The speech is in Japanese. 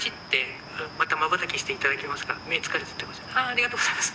ありがとうございます。